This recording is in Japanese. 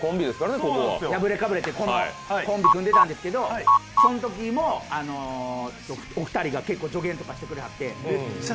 やぶれかぶれというコンビを組んでたんですけどそんときもお二人が結構助言とかしてくれはって。